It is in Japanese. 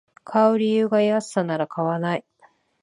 買う理由が安さなら買わない